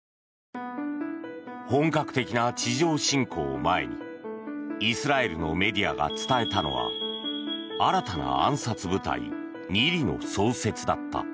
本格的な地上侵攻を前にイスラエルのメディアが伝えたのは新たな暗殺部隊ニリの創設だった。